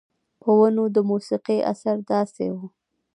پۀ ونو د موسيقۍ اثر داسې وو